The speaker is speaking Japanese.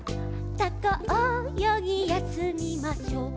「タコおよぎやすみましょう」